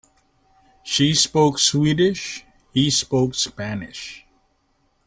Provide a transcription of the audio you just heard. She spoke Swedish, he spoke Spanish.